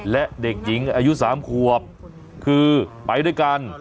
และเด็กหญิงอายุ๓ขวบคือไปด้วยกัน